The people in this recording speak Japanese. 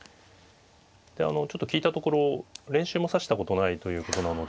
ちょっと聞いたところ練習も指したことないということなので。